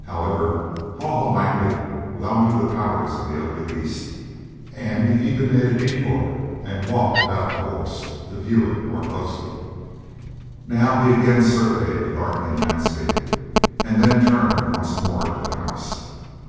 However, Haw Haw Langley well knew the powers of the ugly beast, and he even made a detour and walked about the horse to view it more closely. Now he again surveyed the darkening landscape and then turned once more to the house.